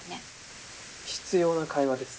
必要な会話です。